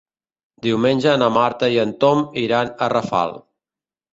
Diumenge na Marta i en Tom iran a Rafal.